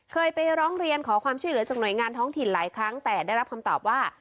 เคยไปร้องเรียนขอความช่วยเหลือจากหน่วยงานท้องถิ่นหลายครั้งแต่ได้รับคำตอบว่า